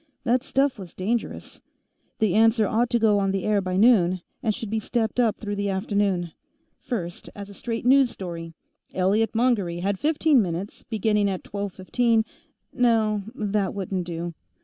That stuff was dangerous. The answer ought to go on the air by noon, and should be stepped up through the afternoon. First as a straight news story; Elliot Mongery had fifteen minutes, beginning at 1215 no, that wouldn't do.